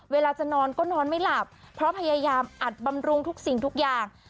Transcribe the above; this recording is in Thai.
เวลาจะนอนก็นอนไม่หลับเพราะพยายามอัดบำรุงทุกสิ่งทุกอย่าง